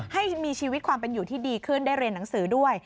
ให้มีชีวิตความเป็นอยู่ที่ดีขึ้นได้เรียนหนังสือด้วย